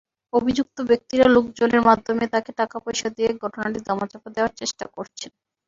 অভিযুক্ত ব্যক্তিরা লোকজনের মাধ্যমে তাঁকে টাকাপয়সা দিয়ে ঘটনাটি ধামাচাপা দেওয়ার চেষ্টা করছেন।